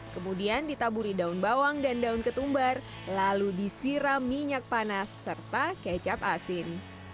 kemudian ditaburi daun bawang dan daun ketumbar lalu disiram minyak panas serta kecap asin